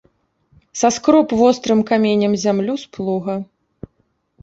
Саскроб вострым каменем зямлю з плуга.